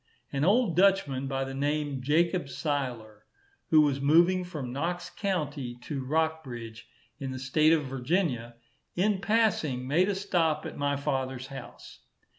An old Dutchman, by the name of Jacob Siler, who was moving from Knox county to Rockbridge, in the state of Virginia, in passing, made a stop at my father's house.